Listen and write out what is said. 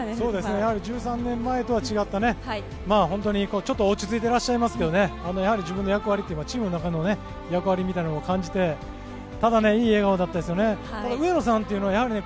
やはり、１３年前とは違った、本当にちょっと落ち着いてらっしゃいますけど自分の役割というかチームの中の役割みたいなのも感じてただね、いい笑顔でしたよね。